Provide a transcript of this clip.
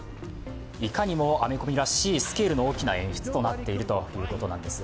いかにもアメコミらしい、スケールの大きな演出となっているということなんです。